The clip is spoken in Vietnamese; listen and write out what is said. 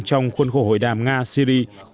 trong khuôn khổ hội đàm nga syri